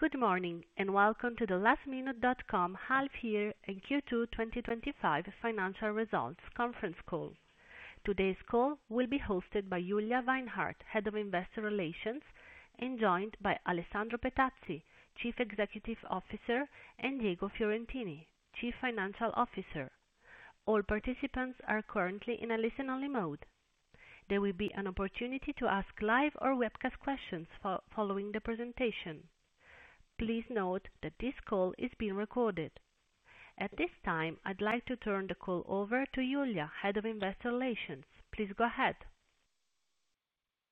Good morning and welcome to the lastminute.com Half Year and Q2 2025 Financial Results Conference Call. Today's call will be hosted by Julia Weinhart, Head of Investor Relations, and joined by Alessandro Petazzi, Chief Executive Officer, and Diego Fiorentini, Chief Financial Officer. All participants are currently in a listen-only mode. There will be an opportunity to ask live or webcast questions following the presentation. Please note that this call is being recorded. At this time, I'd like to turn the call over to Julia, Head of Investor Relations. Please go ahead.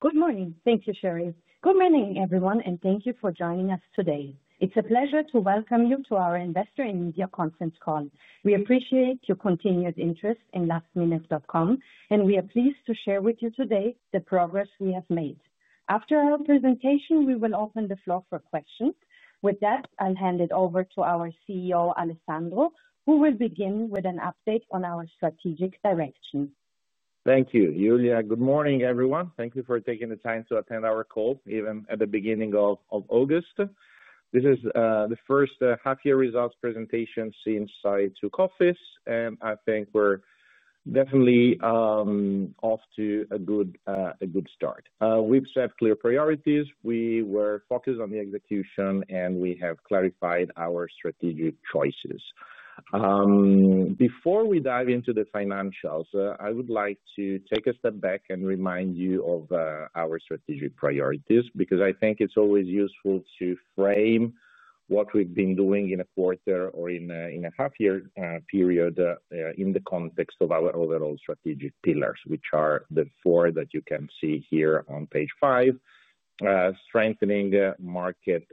Good morning. Thank you, Sherry. Good morning, everyone, and thank you for joining us today. It's a pleasure to welcome you to our Investor and Media Conference Call. We appreciate your continued interest in lastminute.com, and we are pleased to share with you today the progress we have made. After our presentation, we will open the floor for questions. With that, I'll hand it over to our CEO, Alessandro, who will begin with an update on our strategic direction. Thank you, Julia. Good morning, everyone. Thank you for taking the time to attend our call, even at the beginning of August. This is the first half-year results presentation since I took office, and I think we're definitely off to a good start. We've set clear priorities. We were focused on the execution, and we have clarified our strategic choices. Before we dive into the financials, I would like to take a step back and remind you of our strategic priorities because I think it's always useful to frame what we've been doing in a quarter or in a half-year period in the context of our overall strategic pillars, which are the four that you can see here on page five. Strengthening the market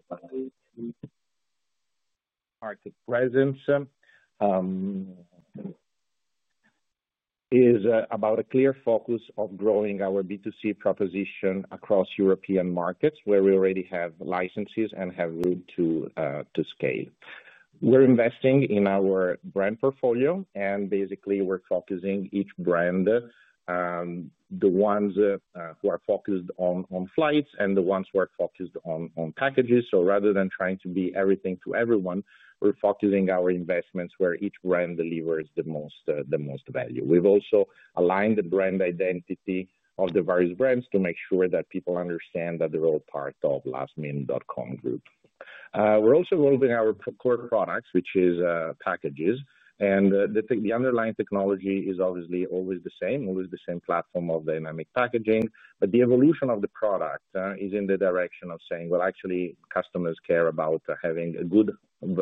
presence is about a clear focus of growing our B2C proposition across European markets where we already have licenses and have room to scale. We're investing in our brand portfolio, and basically, we're focusing each brand, the ones who are focused on flights and the ones who are focused on packages. Rather than trying to be everything to everyone, we're focusing our investments where each brand delivers the most value. We've also aligned the brand identity of the various brands to make sure that people understand that they're all part of the lastminute.com group. We're also evolving our core products, which are packages. The underlying technology is obviously always the same, always the same platform of dynamic packaging. The evolution of the product is in the direction of saying customers care about having a good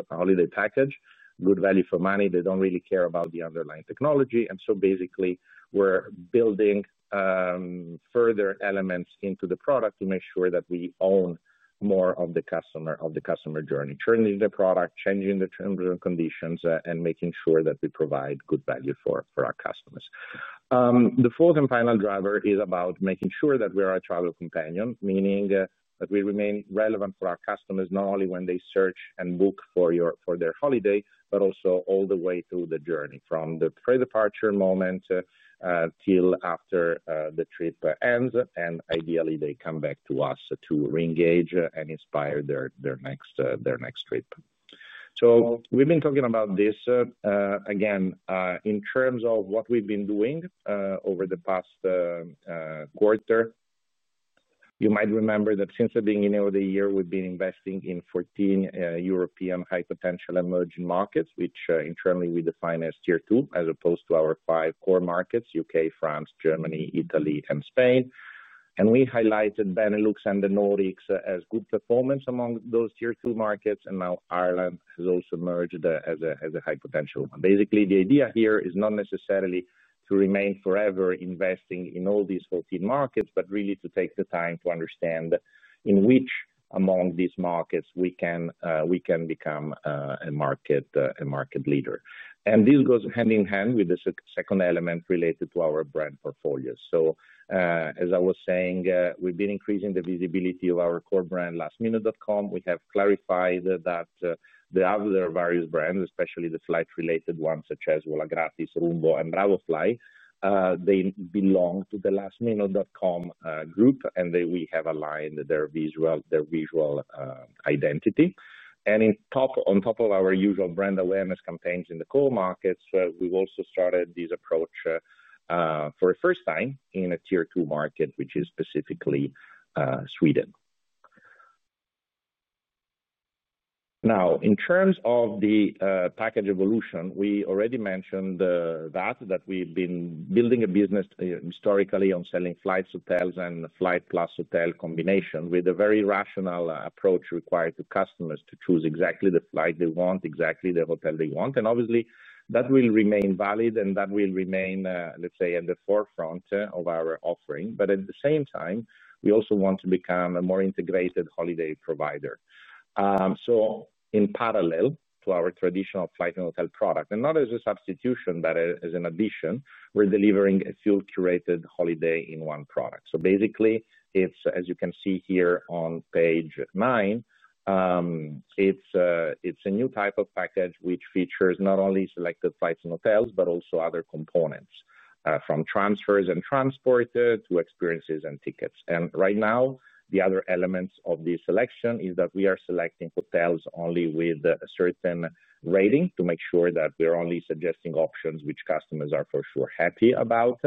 holiday package, good value for money. They don't really care about the underlying technology. Basically, we're building further elements into the product to make sure that we own more of the customer journey, turning the product, changing the terms and conditions, and making sure that we provide good value for our customers. The fourth and final driver is about making sure that we are a travel companion, meaning that we remain relevant for our customers not only when they search and book for their holiday, but also all the way through the journey, from the pre-departure moment till after the trip ends. Ideally, they come back to us to re-engage and inspire their next trip. We've been talking about this. Again, in terms of what we've been doing over the past quarter, you might remember that since the beginning of the year, we've been investing in 14 European high-potential emerging markets, which internally we define as tier two, as opposed to our five core markets: U.K., France, Germany, Italy, and Spain. We highlighted Benelux and The Nordics as good performance among those tier two markets. Now Ireland has also emerged as a high potential. Basically, the idea here is not necessarily to remain forever investing in all these 14 markets, but really to take the time to understand in which among these markets we can become a market leader. This goes hand in hand with the second element related to our brand portfolio. As I was saying, we've been increasing the visibility of our core brand, lastminute.com. We have clarified that the other various brands, especially the flight-related ones such as Volagratis, Rumbo, and Bravofly, belong to the lastminute.com group, and we have aligned their visual identity. On top of our usual brand awareness campaigns in the core markets, we've also started this approach for the first time in a tier two market, which is specifically Sweden. Now, in terms of the package evolution, we already mentioned that we've been building a business historically on selling flights, hotels, and flight plus hotel combination with a very rational approach required to customers to choose exactly the flight they want, exactly the hotel they want. Obviously, that will remain valid, and that will remain, let's say, in the forefront of our offering. At the same time, we also want to become a more integrated holiday provider. In parallel to our traditional flight and hotel product, and not as a substitution, but as an addition, we're delivering a full-curated holiday in one product. As you can see here on page nine, it's a new type of package which features not only selected flights and hotels, but also other components from transfers and transport to experiences and tickets. Right now, the other elements of the selection is that we are selecting hotels only with a certain rating to make sure that we're only suggesting options which customers are for sure happy about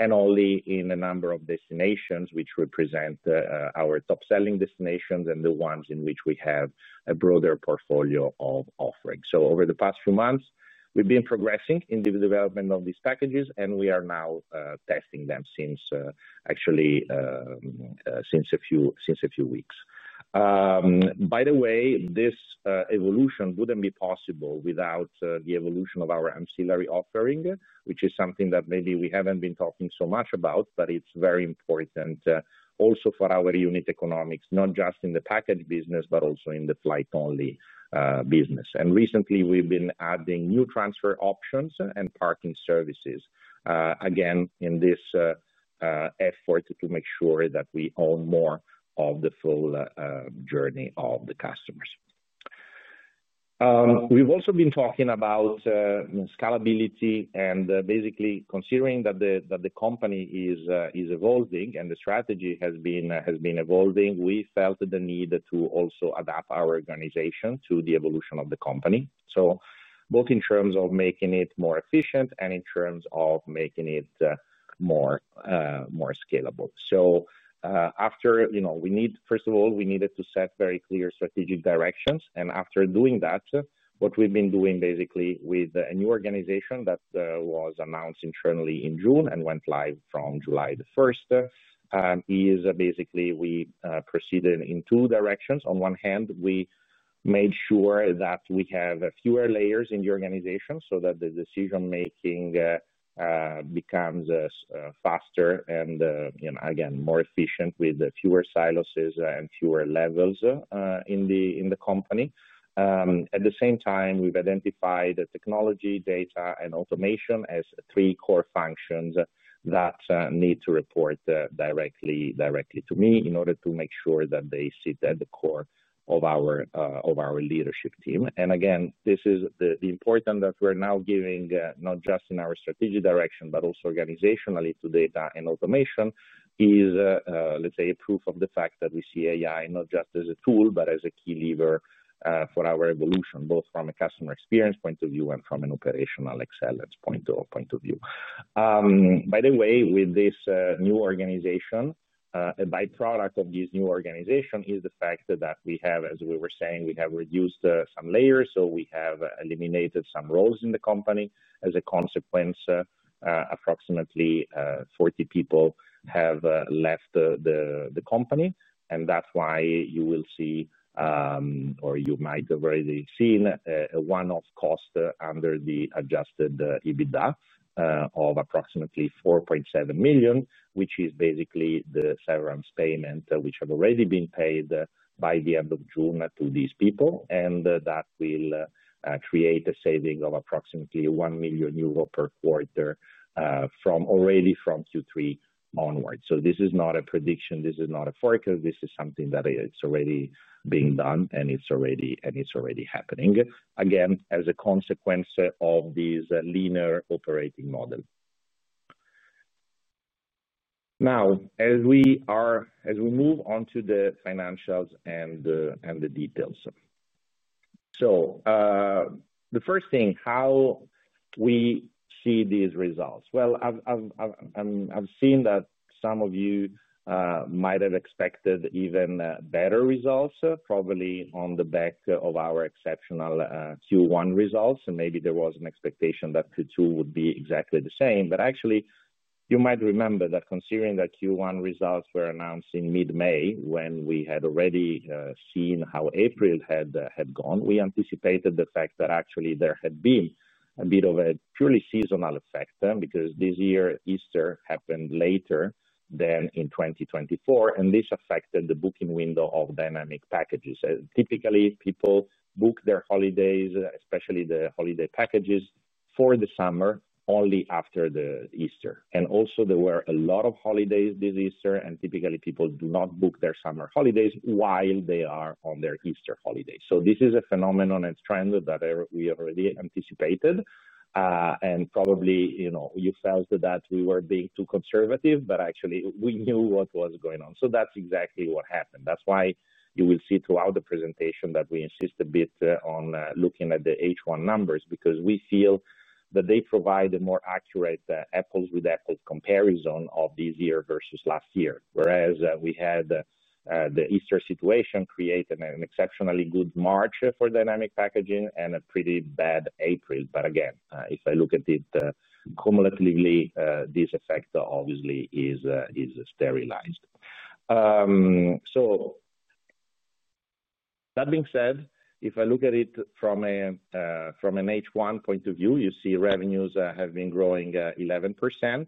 and only in a number of destinations which represent our top selling destinations and the ones in which we have a broader portfolio of offerings. Over the past few months, we've been progressing in the development of these packages, and we are now testing them since actually a few weeks. By the way, this evolution wouldn't be possible without the evolution of our ancillary offering, which is something that maybe we haven't been talking so much about, but it's very important also for our unit economics, not just in the package business, but also in the flight-only business. Recently, we've been adding new transfer options and parking services, again, in this effort to make sure that we own more of the full journey of the customers. We've also been talking about scalability and basically considering that the company is evolving and the strategy has been evolving, we felt the need to also adapt our organization to the evolution of the company, both in terms of making it more efficient and in terms of making it more scalable. First of all, we needed to set very clear strategic directions. After doing that, what we've been doing basically with a new organization that was announced internally in June and went live from July 1 is we proceeded in two directions. On one hand, we made sure that we have fewer layers in the organization so that the decision-making becomes faster and, again, more efficient with fewer silos and fewer levels in the company. At the same time, we've identified the technology, data, and automation as three core functions that need to report directly to me in order to make sure that they sit at the core of our leadership team. This is the importance that we're now giving not just in our strategic direction, but also organizationally to data and automation. It's, let's say, a proof of the fact that we see AI not just as a tool, but as a key lever for our evolution, both from a customer experience point of view and from an operational excellence point of view. By the way, with this new organization, a byproduct of this new organization is the fact that we have, as we were saying, reduced some layers. We have eliminated some roles in the company. As a consequence, approximately 40 people have left the company, and that's why you will see, or you might have already seen, a one-off cost under the adjusted EBITDA of approximately 4.7 million, which is basically the severance payment which has already been paid by the end of June to these people. That will create a saving of approximately 1 million euro per quarter already from Q3 onward. This is not a prediction. This is not a forecast. This is something that is already being done, and it's already happening, again, as a consequence of this leaner operating model. As we move on to the financials and the details, the first thing, how we see these results. I've seen that some of you might have expected even better results, probably on the back of our exceptional Q1 results. Maybe there was an expectation that Q2 would be exactly the same. Actually, you might remember that considering that Q1 results were announced in mid-May, when we had already seen how April had gone, we anticipated the fact that actually there had been a bit of a purely seasonal effect because this year, Easter happened later than in 2024. This affected the booking window of dynamic packages. Typically, people book their holidays, especially the holiday packages, for the summer only after Easter. There were a lot of holidays this Easter, and typically, people do not book their summer holidays while they are on their Easter holiday. This is a phenomenon and trend that we already anticipated. Probably, you felt that we were being too conservative, but actually, we knew what was going on. That's exactly what happened. That's why you will see throughout the presentation that we insist a bit on looking at the H1 numbers because we feel that they provide a more accurate apples with apples comparison of this year versus last year, whereas we had the Easter situation create an exceptionally good March for dynamic packaging and a pretty bad April. If I look at it cumulatively, this effect obviously is sterilized. That being said, if I look at it from an H1 point of view, you see revenues have been growing 11%.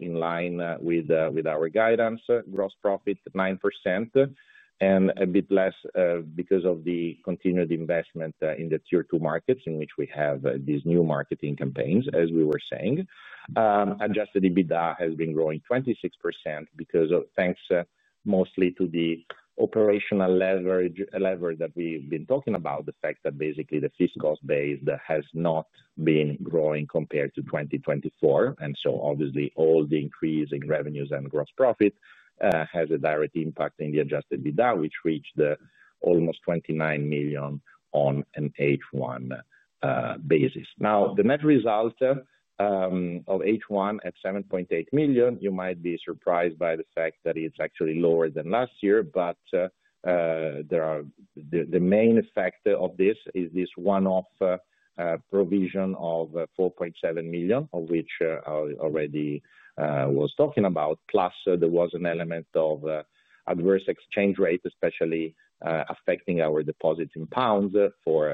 In line with our guidance, gross profit 9% and a bit less because of the continued investment in the tier two markets in which we have these new marketing campaigns, as we were saying. Adjusted EBITDA has been growing 26% thanks mostly to the operational lever that we've been talking about, the fact that basically the fiscal space has not been growing compared to 2024. Obviously, all the increase in revenues and gross profit has a direct impact in the adjusted EBITDA, which reached almost 29 million on an H1 basis. Now, the net result of H1 at 7.8 million, you might be surprised by the fact that it's actually lower than last year. The main effect of this is this one-off provision of 4.7 million, which I already was talking about. Plus, there was an element of adverse exchange rate, especially affecting our deposit in pounds for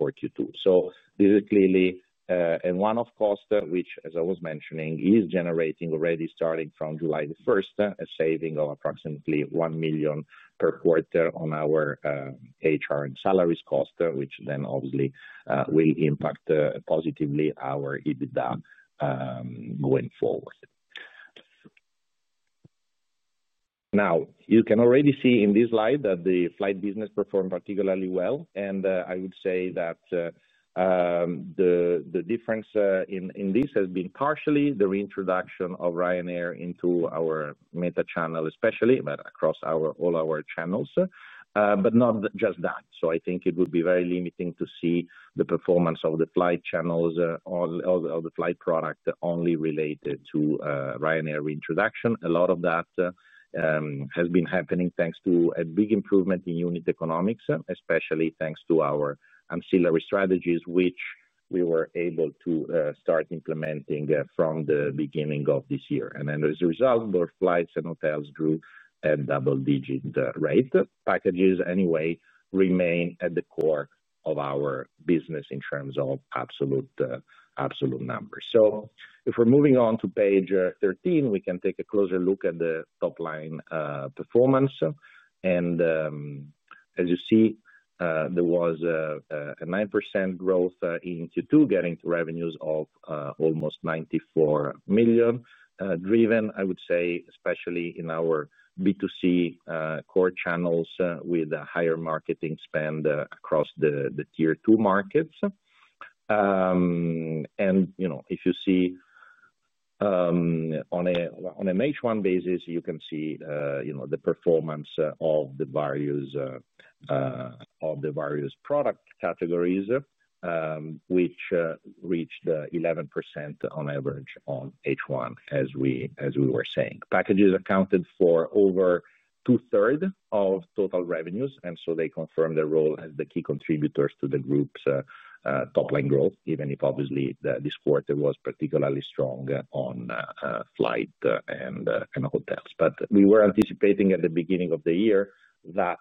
Q2. This is clearly a one-off cost, which, as I was mentioning, is generating already starting from July 1st, a saving of approximately 1 million per quarter on our HR and salaries cost, which then obviously will impact positively our EBITDA going forward. You can already see in this slide that the flight business performed particularly well. I would say that the difference in this has been partially the reintroduction of Ryanair into our meta channel, especially, but across all our channels, but not just that. I think it would be very limiting to see the performance of the flight channels or the flight product only related to Ryanair reintroduction. A lot of that has been happening thanks to a big improvement in unit economics, especially thanks to our ancillary strategies, which we were able to start implementing from the beginning of this year. As a result, both flights and hotels grew at double-digit rates. Packages, anyway, remain at the core of our business in terms of absolute numbers. If we're moving on to page 13, we can take a closer look at the top line performance. As you see, there was a 9% growth in Q2, getting to revenues of almost 94 million, driven, I would say, especially in our B2C core channels with a higher marketing spend across the tier two markets. If you see on an H1 basis, you can see the performance of the various product categories, which reached 11% on average on H1, as we were saying. Packages accounted for over two-thirds of total revenues, and they confirmed their role as the key contributors to the group's top line growth, even if obviously this quarter was particularly strong on flight and hotels. We were anticipating at the beginning of the year that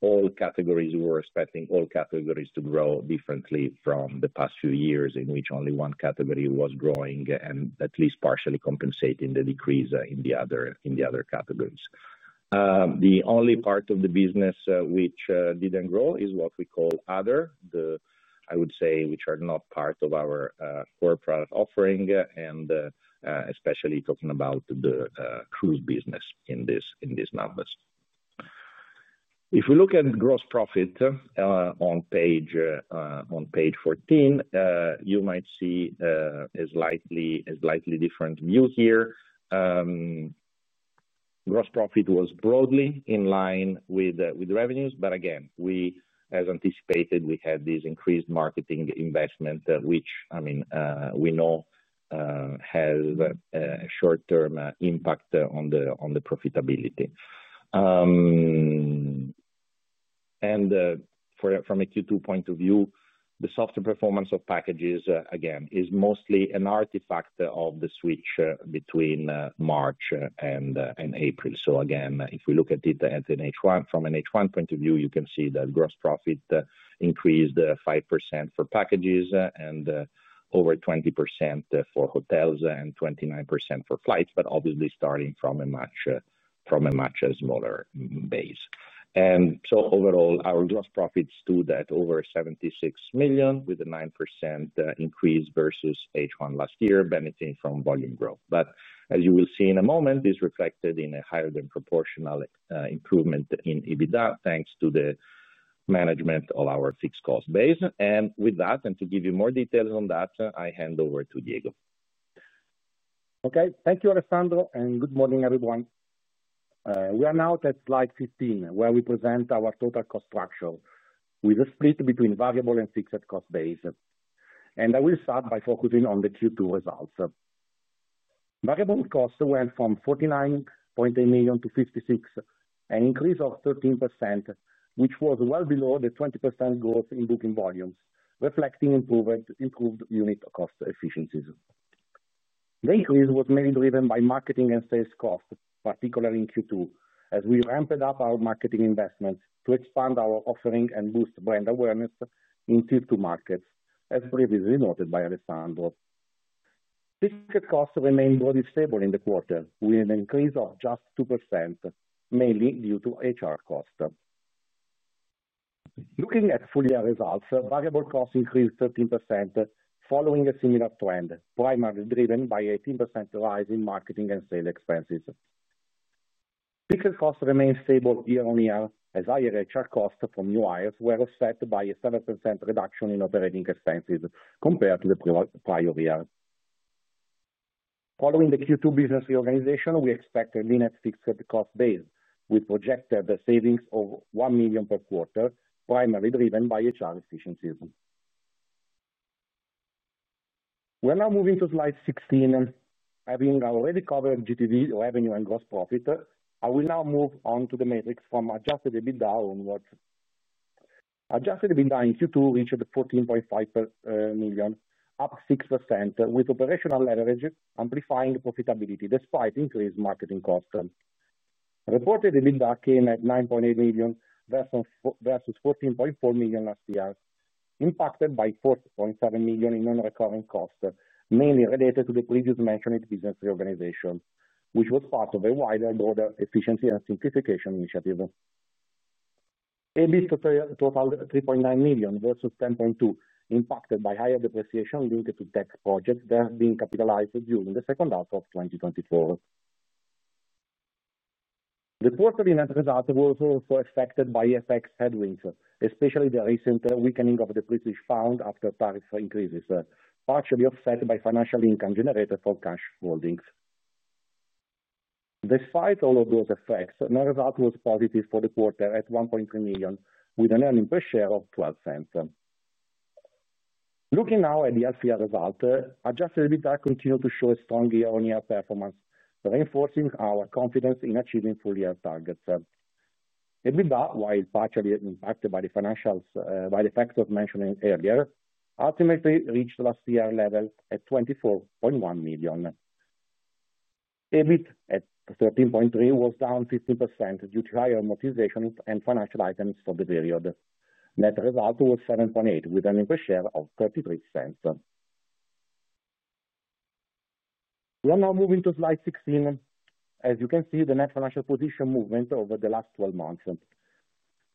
all categories, we were expecting all categories to grow differently from the past few years, in which only one category was growing and at least partially compensating the decrease in the other categories. The only part of the business which didn't grow is what we call other, I would say, which are not part of our core product offering, and especially talking about the cruise business in these numbers. If we look at gross profit on page 14, you might see a slightly different view here. Gross profit was broadly in line with revenues. As anticipated, we had this increased marketing investment, which I mean we know has a short-term impact on the profitability. From a Q2 point of view, the softer performance of packages is mostly an artifact of the switch between March and April. If we look at it from an H1 point of view, you can see that gross profit increased 5% for packages and over 20% for hotels and 29% for flights, obviously starting from a much smaller base. Overall, our gross profit stood at over 76 million with a 9% increase versus H1 last year, benefiting from volume growth. As you will see in a moment, this is reflected in a higher than proportional improvement in EBITDA thanks to the management of our fixed cost base. With that, and to give you more details on that, I hand over to Diego. Okay. Thank you, Alessandro, and good morning, everyone. We are now at slide 15, where we present our total cost structure with a split between variable and fixed cost base. I will start by focusing on the Q2 results. Variable costs went from 49.8 million to 56 million, an increase of 13%, which was well below the 20% growth in booking volumes, reflecting improved unit cost efficiencies. The increase was mainly driven by marketing and sales costs, particularly in Q2, as we ramped up our marketing investment to expand our offering and boost brand awareness in tier two European markets, as previously noted by Alessandro. Fixed costs remain broadly stable in the quarter, with an increase of just 2%, mainly due to HR costs. Looking at full-year results, variable costs increased 13% following a similar trend, primarily driven by an 18% rise in marketing and sales expenses. Fixed costs remain stable year on year, as higher HR costs from new hires were offset by a 7% reduction in operating expenses compared to the prior year. Following the Q2 business reorganization, we expect a leaner fixed cost base, with projected savings of 1 million per quarter, primarily driven by HR efficiencies. We are now moving to slide 16, and having already covered GTV, revenue, and gross profit, I will now move on to the metrics from adjusted EBITDA onwards. Adjusted EBITDA in Q2 reached 14.5 million, up 6%, with operational leverage amplifying profitability despite increased marketing costs. Reported EBITDA came at 9.8 million versus 14.4 million last year, impacted by 4.7 million in non-recurring costs, mainly related to the previously mentioned business reorganization, which was part of a broader efficiency and simplification initiative. EBITDA totaled 3.9 million versus 10.2 million, impacted by higher depreciation linked to tech projects that are being capitalized during the second half of 2024. The quarterly net result was also affected by FX headwinds, especially the recent weakening of the British pound after tariff increases, partially offset by financial income generated from cash holdings. Despite all of those effects, net result was positive for the quarter at 1.3 million, with an earnings per share of 0.12. Looking now at the last year result, adjusted EBITDA continued to show a strong year-on-year performance, reinforcing our confidence in achieving full-year targets. EBITDA, while partially impacted by the financials, by the factors mentioned earlier, ultimately reached last year's level at 24.1 million. EBITDA at 13.3 million was down 15% due to higher amortization and financial items for the period. Net result was 7.8 million, with an earnings per share of 0.33. We are now moving to slide 16. As you can see, the net financial position movement over the last 12 months.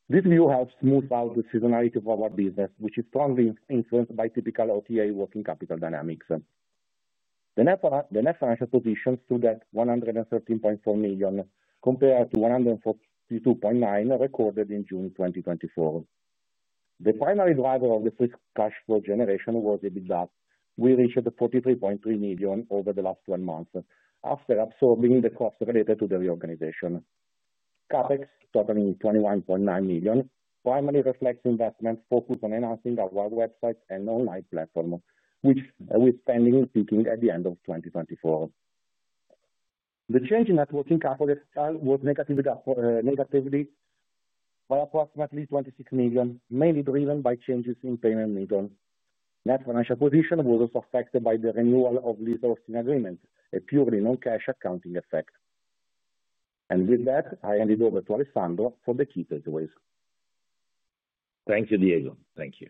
This view helps smooth out the seasonality of our business, which is strongly influenced by typical OTA working capital dynamics. The net financial position stood at 113.4 million compared to 142.9 million recorded in June 2024. The primary driver of the fixed cash flow generation was EBITDA, which reached 43.3 million over the last 12 months after absorbing the costs related to the reorganization. CapEx totaling 21.9 million primarily reflects investments focused on enhancing our website and online platform, with spending peaking at the end of 2024. The change in net working capital was negative by approximately 26 million, mainly driven by changes in payment meter. Net financial position was also affected by the renewal of resourcing agreements, a purely non-cash accounting effect. I hand it over to Alessandro for the key takeaways. Thank you, Diego. Thank you.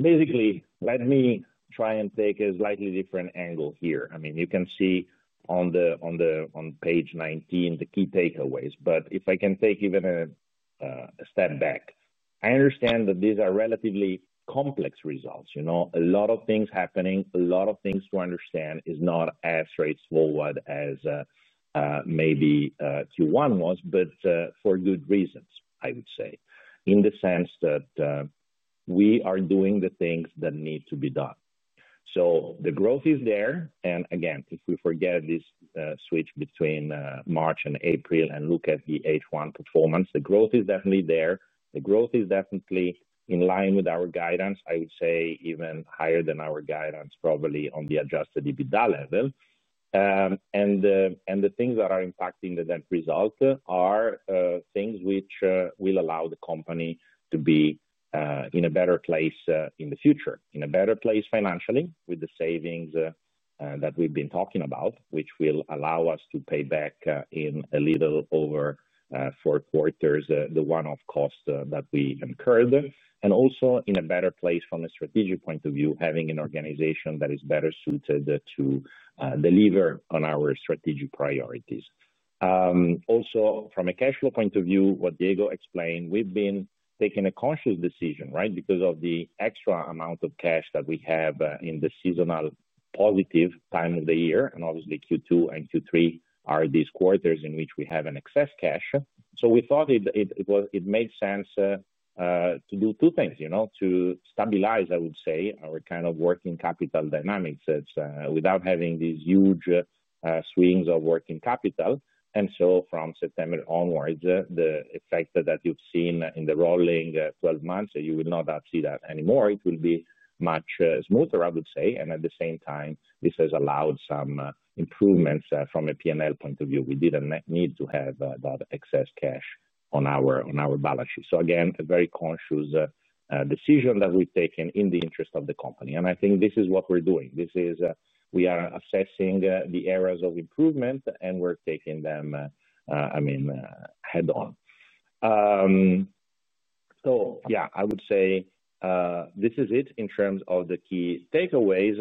Basically, let me try and take a slightly different angle here. I mean, you can see on page 19 the key takeaways. If I can take even a step back, I understand that these are relatively complex results. You know, a lot of things happening, a lot of things to understand. It is not as straightforward as maybe Q1 was, but for good reasons, I would say, in the sense that we are doing the things that need to be done. The growth is there. Again, if we forget this switch between March and April and look at the H1 performance, the growth is definitely there. The growth is definitely in line with our guidance, I would say even higher than our guidance probably on the adjusted EBITDA level. The things that are impacting the net result are things which will allow the company to be in a better place in the future, in a better place financially with the savings that we've been talking about, which will allow us to pay back in a little over four quarters the one-off cost that we incurred. Also, in a better place from a strategic point of view, having an organization that is better suited to deliver on our strategic priorities. Also, from a cash flow point of view, what Diego explained, we've been taking a conscious decision, right, because of the extra amount of cash that we have in the seasonal positive time of the year. Obviously, Q2 and Q3 are these quarters in which we have an excess cash. We thought it made sense to do two things, to stabilize, I would say, our kind of working capital dynamics without having these huge swings of working capital. From September onwards, the effect that you've seen in the rolling 12 months, you will not see that anymore. It will be much smoother, I would say. At the same time, this has allowed some improvements from a P&L point of view. We didn't need to have that excess cash on our balance sheet. Again, a very conscious decision that we've taken in the interest of the company. I think this is what we're doing. We are assessing the areas of improvement, and we're taking them head on. I would say this is it in terms of the key takeaways.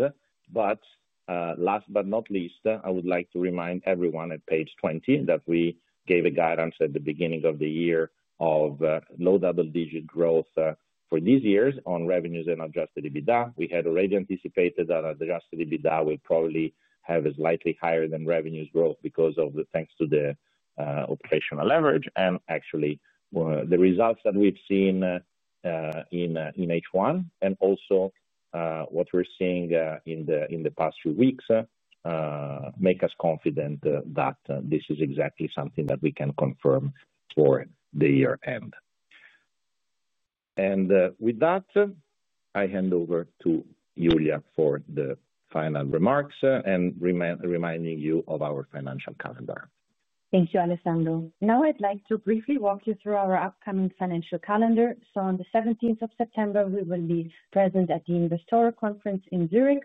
Last but not least, I would like to remind everyone at page 20 that we gave a guidance at the beginning of the year of low double-digit growth for these years on revenues and adjusted EBITDA. We had already anticipated that adjusted EBITDA will probably have a slightly higher than revenues growth because of the thanks to the operational leverage, and actually the results that we've seen in H1 and also what we're seeing in the past few weeks make us confident that this is exactly something that we can confirm for the year end. With that, I hand over to Julia for the final remarks and reminding you of our financial calendar. Thank you, Alessandro. Now I'd like to briefly walk you through our upcoming financial calendar. On the 17th of September, we will be present at the Investor Conference in Zurich,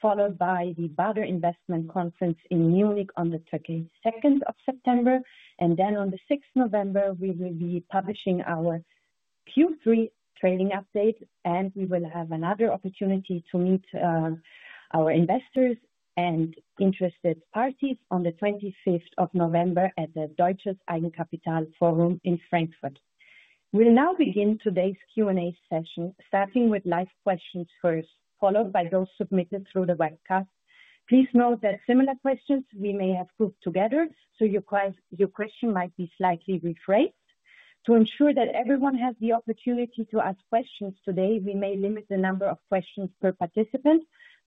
followed by the Baader Investment Conference in Munich on the 22nd of September. On the 6th of November, we will be publishing our Q3 trading update, and we will have another opportunity to meet our investors and interested parties on the 25th of November at the Deutsches Eigenkapital Forum in Frankfurt. We'll now begin today's Q&A session, starting with live questions first, followed by those submitted through the webcast. Please note that similar questions we may have grouped together, so your question might be slightly rephrased. To ensure that everyone has the opportunity to ask questions today, we may limit the number of questions per participant.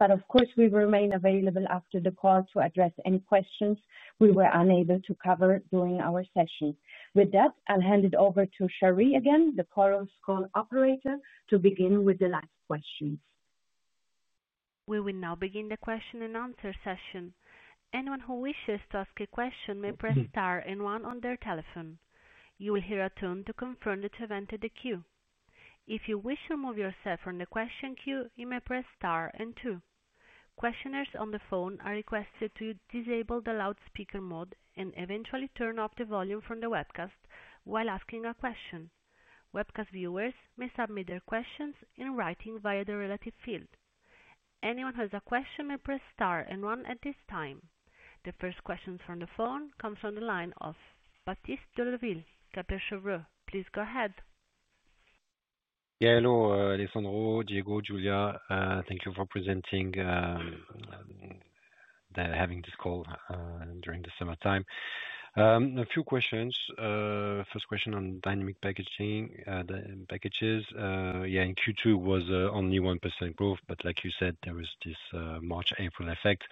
Of course, we remain available after the call to address any questions we were unable to cover during our session. With that, I'll hand it over to Sherry again, the Forum's call operator, to begin with the live questions. We will now begin the question and answer session. Anyone who wishes to ask a question may press star and one on their telephone. You will hear a tone to confirm that you've entered the queue. If you wish to remove yourself from the question queue, you may press star and two. Questioners on the phone are requested to disable the loudspeaker mode and turn off the volume from the webcast while asking a question. Webcast viewers may submit their questions in writing via the relative field. Anyone who has a question may press star and one at this time. The first question from the phone comes from the line of Baptiste de Leville, Kepler Cheuvreux. Please go ahead. Hello, Alessandro, Diego, Julia. Thank you for presenting and having this call during the summertime. A few questions. First question on dynamic packages. In Q2, it was only 1% growth, but like you said, there was this March-April effect.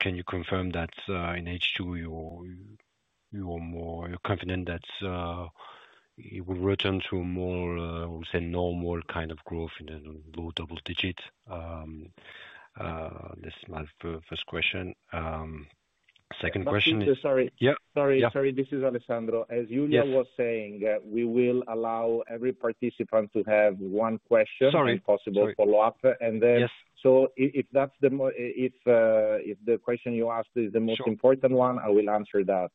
Can you confirm that in H2, you are more confident that it will return to a more, we'll say, normal kind of growth in the low double digit? That's my first question. Second question is. Sorry. Yeah. Sorry. Yeah. Sorry, this is Alessandro. Yeah. As Julia was saying, we will allow every participant to have one question. Sorry. If possible, follow up. Yes. If the question you asked is the most important one, I will answer that.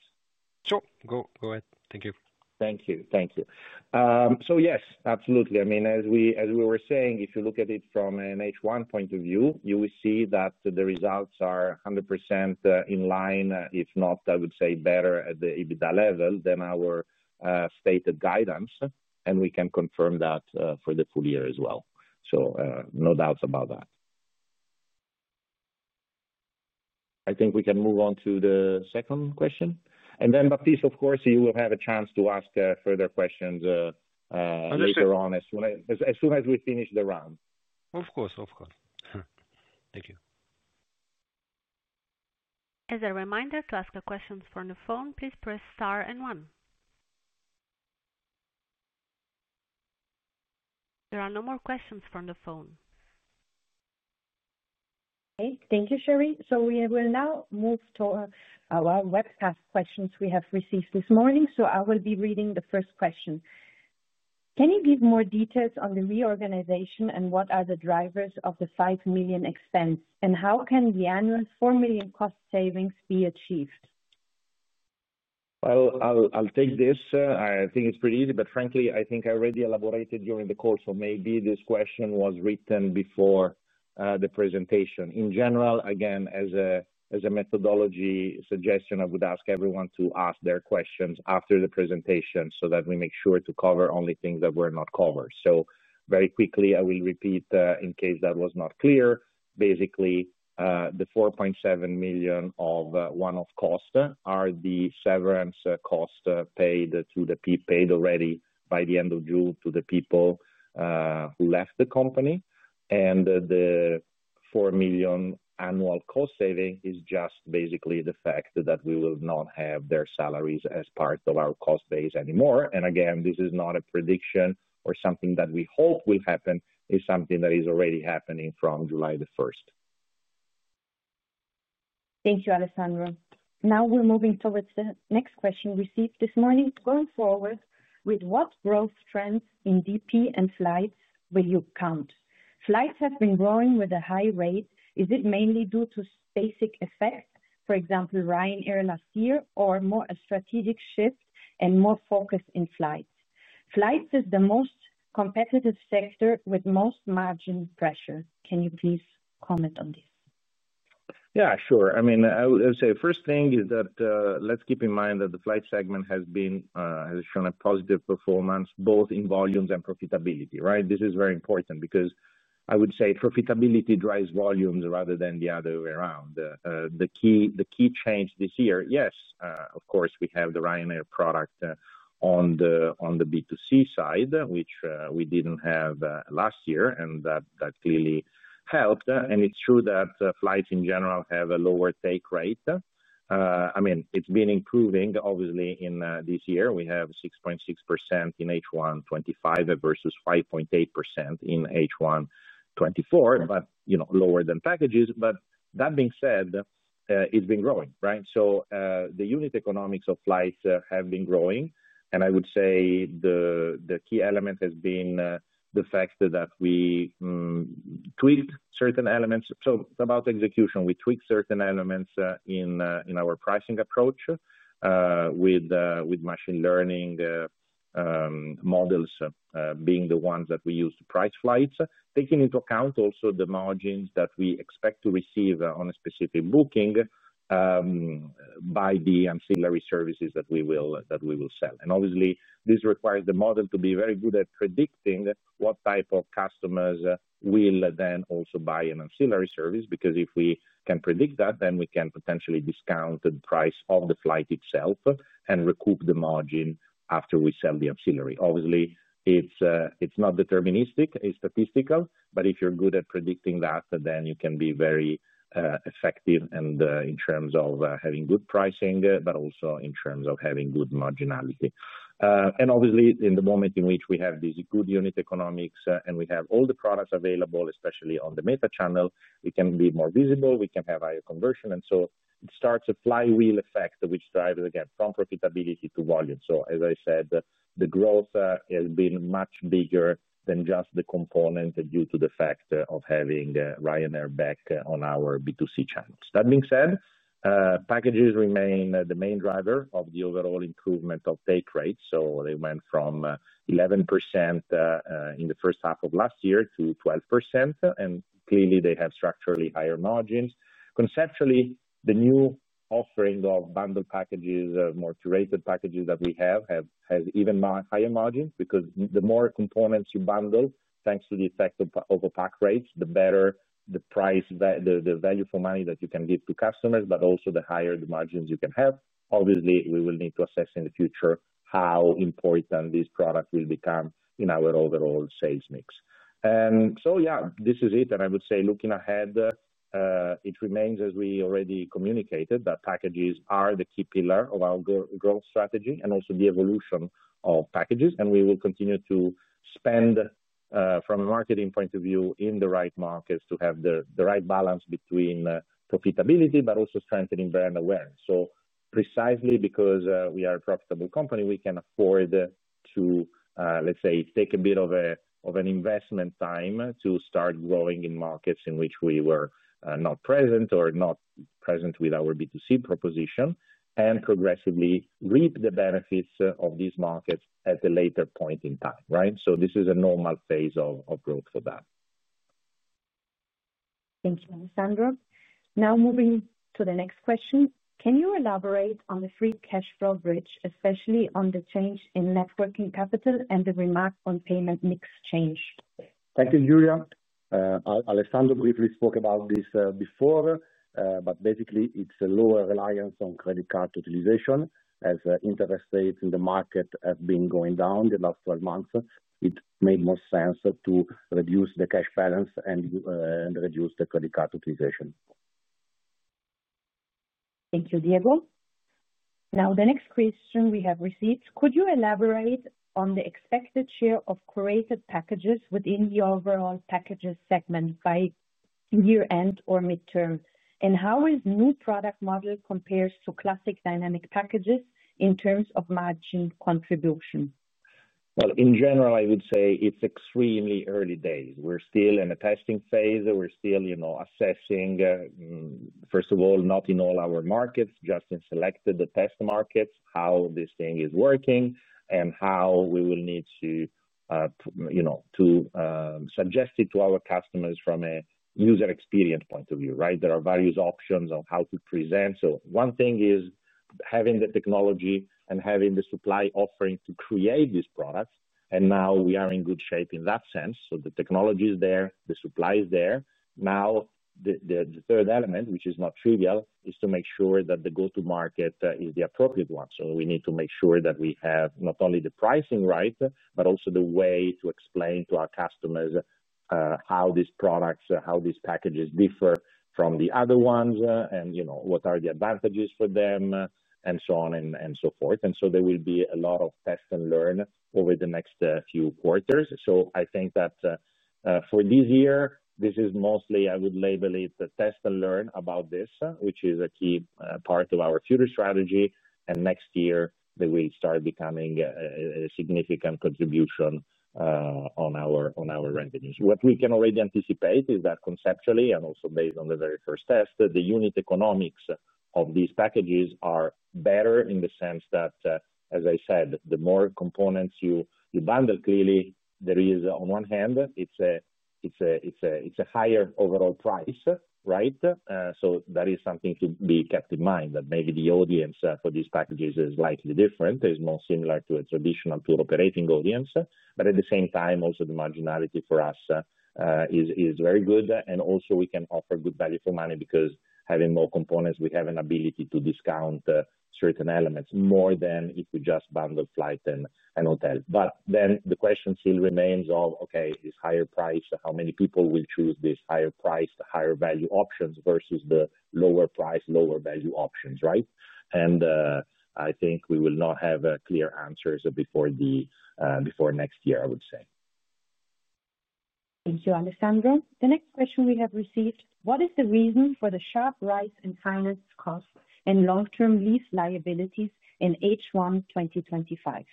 Sure, go ahead. Thank you. Thank you. Thank you. Yes, absolutely. I mean, as we were saying, if you look at it from an H1 point of view, you will see that the results are 100% in line, if not, I would say, better at the EBITDA level than our stated guidance. We can confirm that for the full year as well. No doubts about that. I think we can move on to the second question. Baptiste, of course, you will have a chance to ask further questions later on as soon as we finish the round. Of course, of course. Thank you. As a reminder, to ask a question from the phone, please press star and one. There are no more questions from the phone. Okay, thank you, Sherry. We will now move to our webcast questions we have received this morning. I will be reading the first question. Can you give more details on the reorganization and what are the drivers of the $5 million expense, and how can the annual $4 million cost savings be achieved? I think it's pretty easy, but frankly, I think I already elaborated during the call. Maybe this question was written before the presentation. In general, again, as a methodology suggestion, I would ask everyone to ask their questions after the presentation so that we make sure to cover only things that were not covered. Very quickly, I will repeat in case that was not clear. Basically, the $4.7 million of one-off costs are the severance costs paid to the people paid already by the end of June to the people who left the company. The $4 million annual cost saving is just basically the fact that we will not have their salaries as part of our cost base anymore. Again, this is not a prediction or something that we hope will happen. It's something that is already happening from July 1. Thank you, Alessandro. Now we're moving towards the next question received this morning. Going forward, with what growth trends in DP and flights will you count? Flights have been growing with a high rate. Is it mainly due to basic effects, for example, Ryanair last year, or more a strategic shift and more focus in flights? Flights is the most competitive sector with most margin pressure. Can you please comment on this? Yeah, sure. I mean, I would say the first thing is that let's keep in mind that the flight segment has shown a positive performance both in volumes and profitability, right? This is very important because I would say profitability drives volumes rather than the other way around. The key change this year, yes, of course, we have the Ryanair product on the B2C side, which we didn't have last year, and that clearly helped. It's true that flights in general have a lower take rate. I mean, it's been improving, obviously, in this year. We have 6.6% in H1 2025 versus 5.8% in H1 2024, but lower than packages. That being said, it's been growing, right? The unit economics of flights have been growing. I would say the key element has been the fact that we tweaked certain elements. About execution, we tweaked certain elements in our pricing approach with machine learning models being the ones that we use to price flights, taking into account also the margins that we expect to receive on a specific booking by the ancillary services that we will sell. Obviously, this requires the model to be very good at predicting what type of customers will then also buy an ancillary service because if we can predict that, then we can potentially discount the price of the flight itself and recoup the margin after we sell the ancillary. Obviously, it's not deterministic. It's statistical. If you're good at predicting that, then you can be very effective in terms of having good pricing, but also in terms of having good marginality. In the moment in which we have these good unit economics and we have all the products available, especially on the meta channel, we can be more visible. We can have higher conversion, and it starts a flywheel effect, which drives, again, from profitability to volume. As I said, the growth has been much bigger than just the component due to the fact of having Ryanair back on our B2C channel. That being said, packages remain the main driver of the overall improvement of take rates. They went from 11% in the first half of last year to 12%. Clearly, they have structurally higher margins. Conceptually, the new offering of bundled packages, more curated packages that we have, has even higher margins because the more components you bundle, thanks to the effect of overpack rates, the better the price, the value for money that you can give to customers, but also the higher the margins you can have. Obviously, we will need to assess in the future how important this product will become in our overall sales mix. This is it. I would say looking ahead, it remains, as we already communicated, that packages are the key pillar of our growth strategy and also the evolution of packages. We will continue to spend from a marketing point of view in the right markets to have the right balance between profitability, but also strengthening brand awareness. Precisely because we are a profitable company, we can afford to, let's say, take a bit of an investment time to start growing in markets in which we were not present or not present with our B2C proposition and progressively reap the benefits of these markets at a later point in time, right? This is a normal phase of growth for that. Thank you, Alessandro. Now moving to the next question. Can you elaborate on the free cash flow bridge, especially on the change in net working capital and the remark on payment mix change? Thank you, Julia. Alessandro briefly spoke about this before, but basically, it's a lower reliance on credit card utilization. As interest rates in the market have been going down the last 12 months, it made more sense to reduce the cash balance and reduce the credit card utilization. Thank you, Diego. Now, the next question we have received. Could you elaborate on the expected share of curated holiday packages within the overall packages segment by year-end or midterm? How will the new product model compare to classic dynamic holiday packages in terms of margin contribution? In general, I would say it's extremely early days. We're still in a testing phase. We're still assessing, first of all, not in all our markets, just in selected test markets, how this thing is working and how we will need to suggest it to our customers from a user experience point of view, right? There are various options of how to present. One thing is having the technology and having the supply offering to create these products. Now we are in good shape in that sense. The technology is there. The supply is there. The third element, which is not trivial, is to make sure that the go-to-market is the appropriate one. We need to make sure that we have not only the pricing right, but also the way to explain to our customers how these products, how these packages differ from the other ones, and what are the advantages for them, and so on and so forth. There will be a lot of test and learn over the next few quarters. I think that for this year, this is mostly, I would label it a test and learn about this, which is a key part of our future strategy. Next year, they will start becoming a significant contribution on our revenues. What we can already anticipate is that conceptually, and also based on the very first test, the unit economics of these packages are better in the sense that, as I said, the more components you bundle, clearly, there is on one hand, it's a higher overall price, right? That is something to be kept in mind, that maybe the audience for these packages is slightly different. It's more similar to a traditional tour operating audience. At the same time, also the marginality for us is very good. Also, we can offer good value for money because having more components, we have an ability to discount certain elements more than if we just bundled flight and hotel. The question still remains of, okay, this higher price, how many people will choose these higher priced, higher value options versus the lower price, lower value options, right? I think we will not have clear answers before next year, I would say. Thank you, Alessandro. The next question we have received. What is the reason for the sharp rise in finance costs and long-term lease liabilities in H1 2025?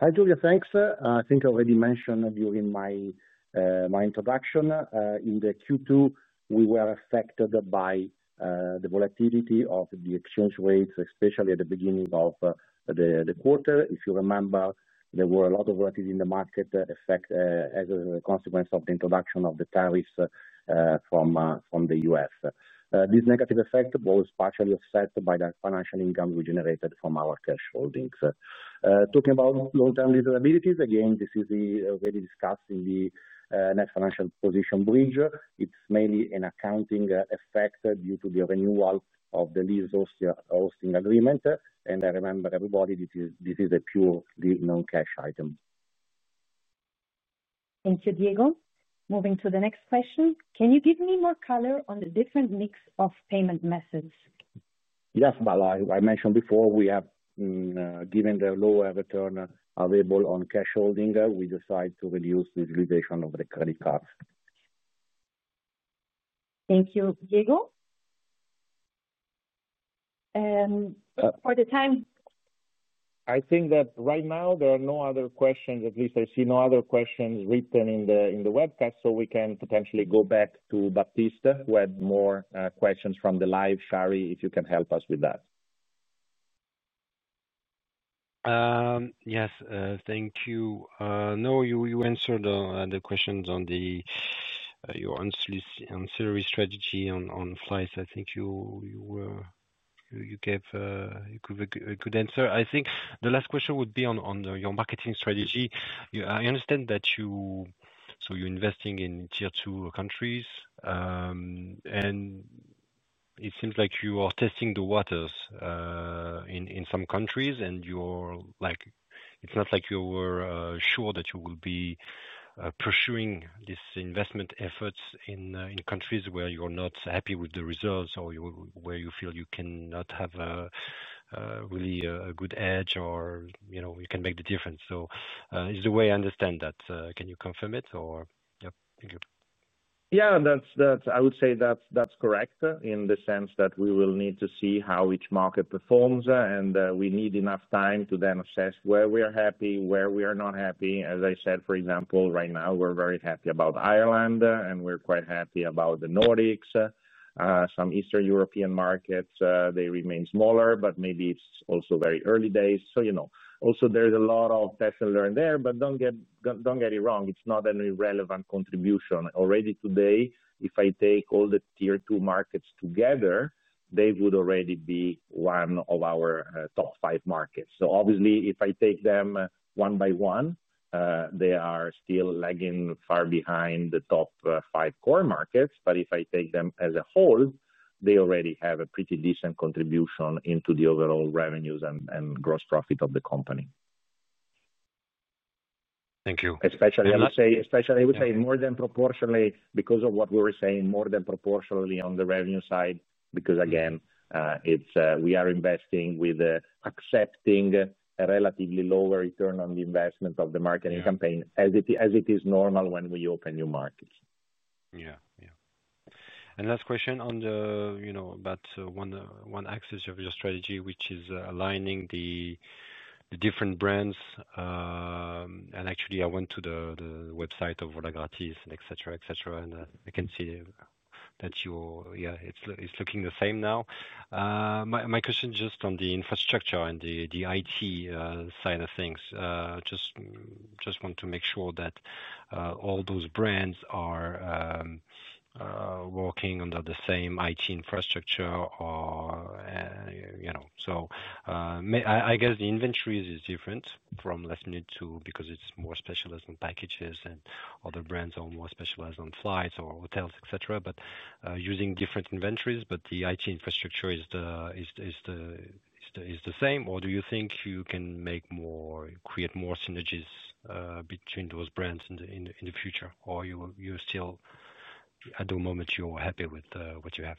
Hi, Julia. Thanks. I think I already mentioned during my introduction in Q2, we were affected by the volatility of the exchange rates, especially at the beginning of the quarter. If you remember, there was a lot of volatility in the market effect as a consequence of the introduction of the tariffs from the U.S. This negative effect was partially offset by the financial income we generated from our cash holdings. Talking about long-term lease liabilities, again, this is already discussed in the net financial position bridge. It's mainly an accounting effect due to the renewal of the lease hosting agreement. I remind everybody, this is a pure non-cash item. Thank you, Diego. Moving to the next question. Can you give me more color on the different mix of payment methods? Yes. As I mentioned before, given the lower return available on cash holding, we decide to reduce the utilization of the credit cards. Thank you, Diego, for the time. I think that right now, there are no other questions. At least I see no other questions written in the webcast, so we can potentially go back to Baptiste who had more questions from the live. Sherry, if you can help us with that. Yes. Thank you. No, you answered the questions on your ancillary strategy on flights. I think you gave a good answer. I think the last question would be on your marketing strategy. I understand that you're investing in tier two countries. It seems like you are testing the waters in some countries, and it's not like you were sure that you will be pursuing these investment efforts in countries where you're not happy with the results or where you feel you cannot have a really good edge or you can make the difference. Is that the way I understand that? Can you confirm it, or? Yeah. Thank you. Yeah. I would say that's correct in the sense that we will need to see how each market performs, and we need enough time to then assess where we are happy, where we are not happy. As I said, for example, right now, we're very happy about Ireland, and we're quite happy about the Nordics. Some Eastern European markets remain smaller, but maybe it's also very early days. There's a lot of test and learn there. Don't get it wrong, it's not an irrelevant contribution. Already today, if I take all the tier two markets together, they would already be one of our top five markets. Obviously, if I take them one by one, they are still lagging far behind the top five core markets. If I take them as a whole, they already have a pretty decent contribution into the overall revenues and gross profit of the company. Thank you. Especially, I would say, more than proportionally because of what we were saying, more than proportionally on the revenue side, because, again, we are investing with accepting a relatively lower return on the investment of the marketing campaign, as it is normal when we open new markets. Yeah, yeah. Last question on the, you know, but one axis of your strategy, which is aligning the different brands. I went to the website of Volagratis, etc., etc., and I can see that you're, yeah, it's looking the same now. My question is just on the infrastructure and the IT side of things. I just want to make sure that all those brands are working under the same IT infrastructure. I guess the inventory is different from lastminute.com too because it's more specialized on packages and other brands are more specialized on flights or hotels, etc., but using different inventories. The IT infrastructure is the same. Do you think you can make more, create more synergies between those brands in the future? Or you're still, at the moment, you're happy with what you have?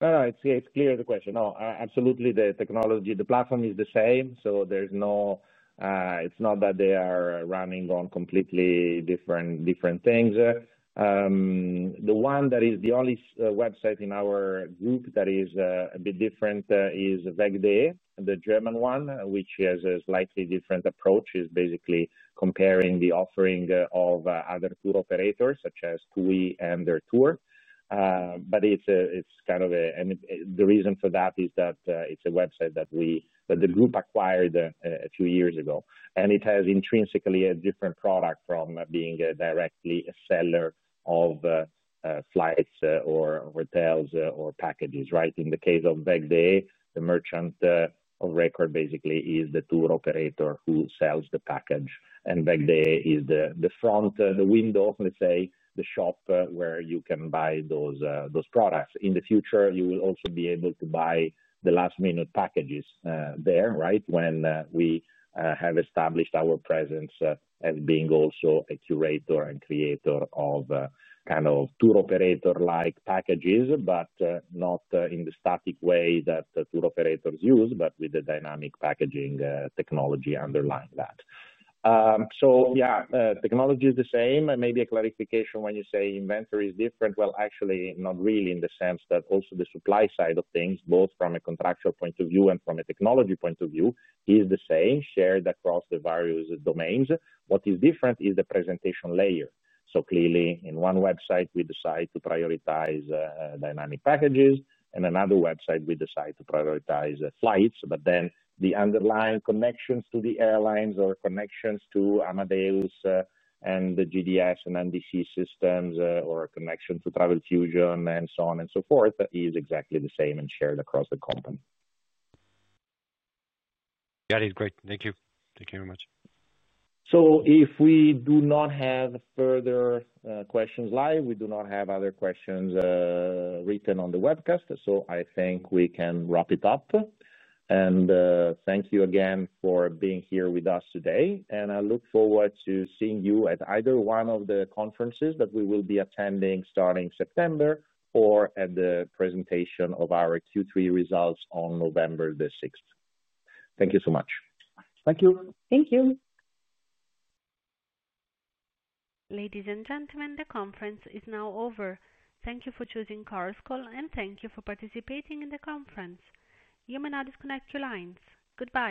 No, no, it's clear the question. No, absolutely, the technology, the platform is the same. There's no, it's not that they are running on completely different things. The one that is the only website in our group that is a bit different is Weg.de, the German one, which has a slightly different approach. It's basically comparing the offering of other tour operators, such as TUI and DER Tour. It's kind of, and the reason for that is that it's a website that the group acquired a few years ago. It has intrinsically a different product from being directly a seller of flights or hotels or packages, right? In the case of Weg.de, the merchant of record basically is the tour operator who sells the package, and Weg.de is the front, the window, let's say, the shop where you can buy those products. In the future, you will also be able to buy the lastminute.com packages there, right, when we have established our presence as being also a curator and creator of kind of tour operator-like packages, but not in the static way that tour operators use, but with the dynamic packaging technology underlying that. Yeah, technology is the same. Maybe a clarification when you say inventory is different. Actually, not really in the sense that also the supply side of things, both from a contractual point of view and from a technology point of view, is the same shared across the various domains. What is different is the presentation layer. Clearly, in one website, we decide to prioritize dynamic packages, and in another website, we decide to prioritize flights. The underlying connections to the airlines or connections to Amadeus and the GDS and NDC systems or connection to TravelFusion and so on and so forth is exactly the same and shared across the company. That is great. Thank you. Thank you very much. If we do not have further questions live, we do not have other questions written on the webcast. I think we can wrap it up. Thank you again for being here with us today. I look forward to seeing you at either one of the conferences that we will be attending starting September or at the presentation of our Q3 results on November 6. Thank you so much. Thank you. Thank you. Ladies and gentlemen, the conference is now over. Thank you for choosing lastminute.com and thank you for participating in the conference. You may now disconnect your lines. Goodbye.